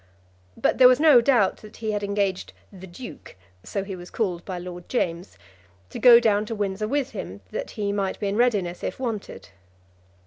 But there was no doubt that he had engaged "the Duke," so he was called by Lord James, to go down to Windsor with him, that he might be in readiness if wanted.